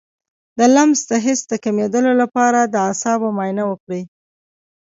د لمس د حس د کمیدو لپاره د اعصابو معاینه وکړئ